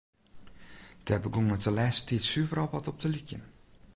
Dêr begûn it de lêste tiid suver al wer wat op te lykjen.